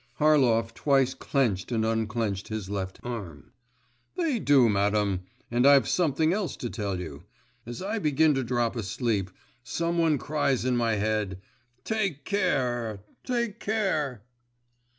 Harlov twice clenched and unclenched his left arm. 'They do, madam; and I've something else to tell you. As I begin to drop asleep, some one cries in my head, "Take care!" "Take care!"